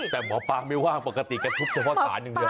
แต่หมอป๊าไม่ว่างปกติเค้าทุบที่เพาะตาอย่างเดียว